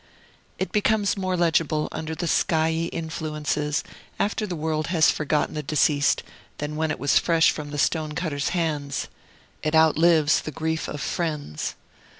It becomes more legible, under the skyey influences, after the world has forgotten the deceased, than when it was fresh from the stone cutter's hands. It outlives the grief of friends.